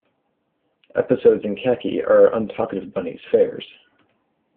Episodes in khaki are Untalkative Bunny's fairs.